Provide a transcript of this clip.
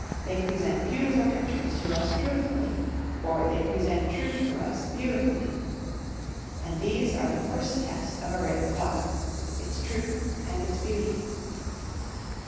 They present beautiful pictures to us truthfully, or they present truth to us beautifully. And these are the first test of a written thought its truth and its beauty.